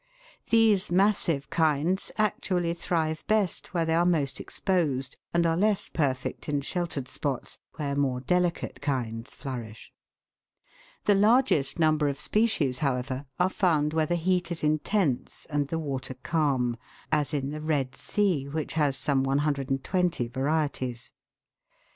These massive kinds actually thrive best where they are most exposed, and are less perfect in sheltered spots, where more delicate kinds flourish. The largest number of species, however, are found where i34 THE WORLD'S LUMBER ROOM. the heat is intense and the water calm, as in the Red Sea, which has some 120 varieties.